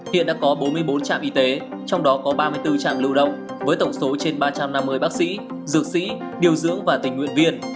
hiện đã có bốn mươi bốn trạm y tế trong đó có ba mươi bốn trạm lưu động với tổng số trên ba trăm năm mươi bác sĩ dược sĩ điều dưỡng và tình nguyện viên